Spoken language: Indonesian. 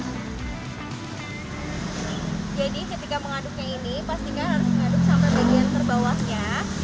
jadi ketika mengaduknya ini pastikan harus mengaduk sampai bagian terbawahnya